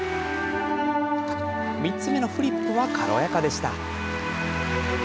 ３つ目のフリップは軽やかでした。